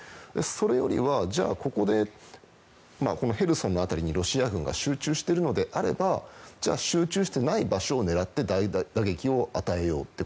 それよりは、ヘルソンの辺りにロシア軍が集中してるのであればじゃあ集中していない場所を狙って打撃を与えようと。